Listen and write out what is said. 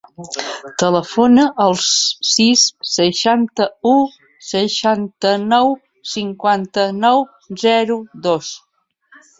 Telefona al sis, seixanta-u, seixanta-nou, cinquanta-nou, zero, dos.